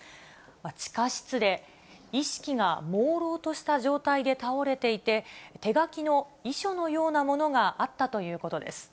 地下室で意識がもうろうとした状態で倒れていて、手書きの遺書のようなものがあったということです。